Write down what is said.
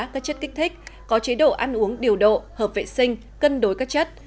các chất kích thích có chế độ ăn uống điều độ hợp vệ sinh cân đối các chất